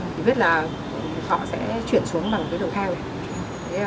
không biết là họ sẽ chuyển xuống bằng cái đầu theo này